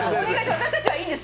私たちはいいんです